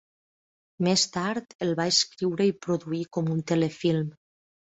Més tard el va escriure i produir com un telefilm.